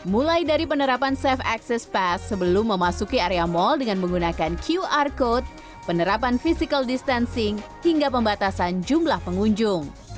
mulai dari penerapan safe access pass sebelum memasuki area mal dengan menggunakan qr code penerapan physical distancing hingga pembatasan jumlah pengunjung